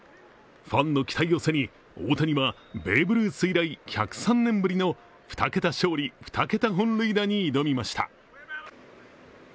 ファンの期待を背に、大谷はベーブ・ルース以来１０３年ぶりの２桁勝利・２桁本塁打に挑みました。